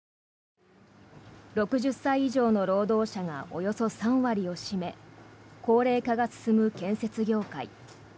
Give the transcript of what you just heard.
６０歳以上の労働者がおよそ３割を占め高齢化が進む建設業界。